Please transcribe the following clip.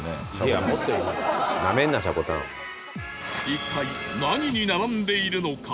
一体何に並んでいるのか？